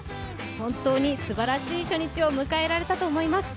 本当にすばらしい初日を迎えられたと思います